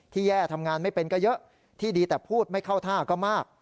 แย่ทำงานไม่เป็นก็เยอะที่ดีแต่พูดไม่เข้าท่าก็มาก